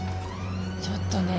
ちょっとね。